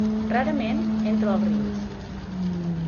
Rarament entra als rius.